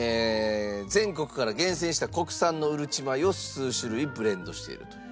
全国から厳選した国産のうるち米を数種類ブレンドしていると。